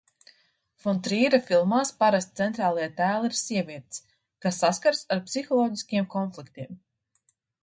Fon Trīra filmās parasti centrālie tēli ir sievietes, kas saskaras ar psiholoģiskiem konfliktiem.